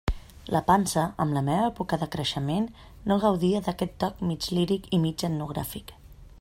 La pansa, en la meua època de creixement, no gaudia d'aquest toc mig líric i mig etnogràfic.